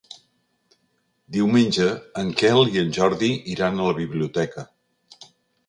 Diumenge en Quel i en Jordi iran a la biblioteca.